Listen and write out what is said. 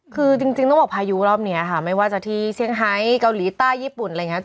คือจริงต้องบอกพายุรอบนี้ค่ะไม่ว่าจะที่เซี่ยงไฮเกาหลีใต้ญี่ปุ่นอะไรอย่างนี้